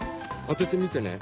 当ててみてね。